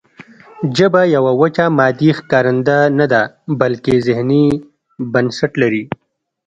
ژبه یوه وچه مادي ښکارنده نه ده بلکې ذهني بنسټ لري